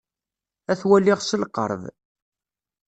Ad t-waliɣ s lqerb.